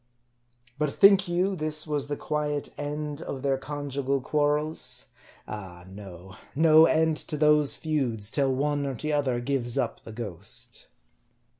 But think you this was the quiet end of their conjugal quarrels ? Ah, no ! No end to those feuds, till one or t'other gives up the ghost.